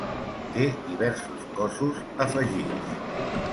Té diversos cossos afegits.